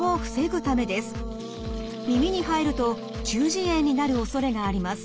耳に入ると中耳炎になるおそれがあります。